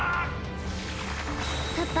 パパ！